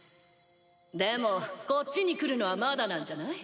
でもこっちに来るのはまだなんじゃない？